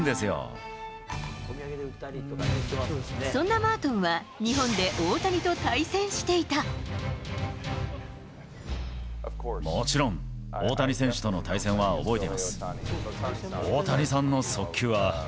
そんなマートンは、日本で大もちろん、大谷選手との対戦は覚えています。